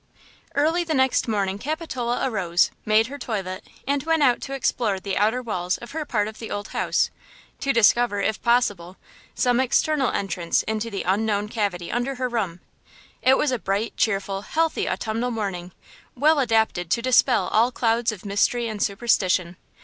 EARLY the next morning Capitola arose, made her toilet and went out to explore the outer walls of her part of the old house, to discover, if possible, some external entrance into the unknown cavity under her room. It was a bright, cheerful, healthy autumnal morning, well adapted to dispel all clouds of mystery and superstition.